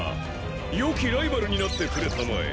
よきライバルになってくれたまえ。